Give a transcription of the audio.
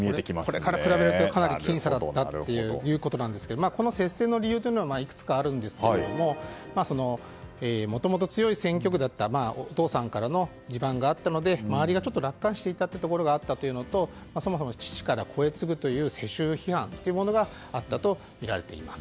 これらと比べるとかなり僅差だったんですがこの接戦の理由もいくつかあるんですがもともと強い選挙区だったお父様からの地盤があったので周りが楽観視していたところがあったのとそもそも父から子へ次ぐという世襲批判があったとみられています。